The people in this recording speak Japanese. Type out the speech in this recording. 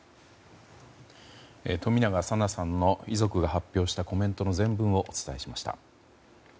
冨永紗菜さんの遺族が発表したコメントの全文をお伝えしました。